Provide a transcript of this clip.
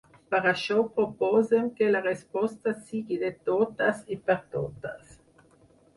Per això proposem que la resposta sigui de totes i per totes.